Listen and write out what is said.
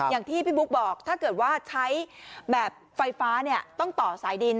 อย่างที่พี่บุ๊คบอกถ้าเกิดว่าใช้แบบไฟฟ้าเนี่ยต้องต่อสายดิน